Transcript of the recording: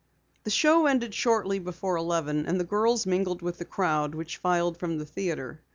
The show ended shortly before eleven and the girls mingled with the crowd which filed from the theatre.